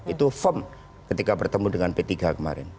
itu firm ketika bertemu dengan p tiga kemarin